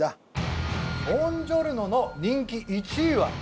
ボンジョルノの人気１位は。